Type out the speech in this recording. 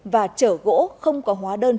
và chở xe ô tô